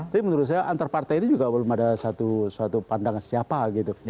tapi menurut saya antar partai itu juga belum ada suatu pandangan siapa gitu